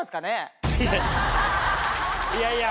いやいや。